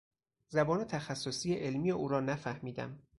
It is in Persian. زبان تخصصی علمی او را نفهمیدم.